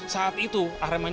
saat itu aremania